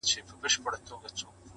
ایله پوه د خپل وزیر په مُدعا سو!!